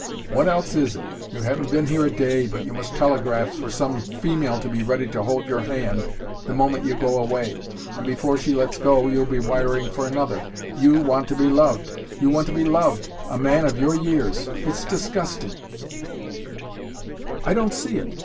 "What else is it. You haven't been here a day, but you must telegraph for some female to be ready to hold your hand the moment you go away. And before she lets go, you'll be wiring for another. YOU WANT TO BE LOVED, you want to be loved a man of your years. It's disgusting " "I don't see it.